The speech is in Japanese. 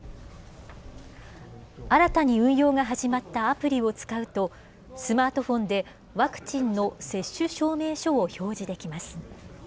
新たに運用が始まったアプリを使うと、スマートフォンでワクチンの接種証明書を表示できます。